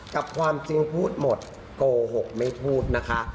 กับความจริงพูดหมดโกหกไม่พูดนะคะ